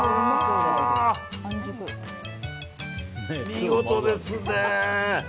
見事ですね。